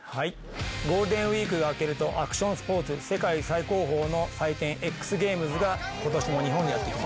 ゴールデンウイークが明けるとアクションスポーツ世界最高峰の祭典エックスゲームズが今年も日本にやって来ます。